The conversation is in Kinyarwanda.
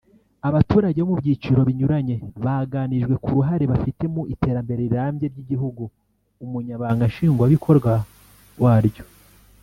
Abaturage bo mu byiciro binyuranye baganirijwe ku ruhare bafite mu iterambere rirambye ry’igihuguUmunyamabanga Nshingwabikorwa waryo